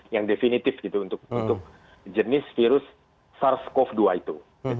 yang definitif gitu untuk jenis virus sars cov dua itu